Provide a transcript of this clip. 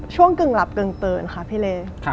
กึ่งหลับกึ่งตื่นค่ะพี่เล